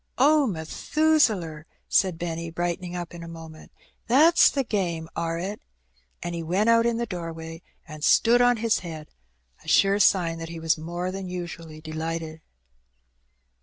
"Oh, Methusaler!" said Benny, brightening up in a moment, "that's the game, are it?" and he went out in the doorway and stood on his head — ^a sure sign that he was more than usually delighted.